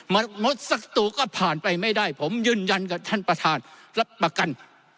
งดสักตัวก็ผ่านไปไม่ได้ผมยืนยันกับท่านประธานรับประกัน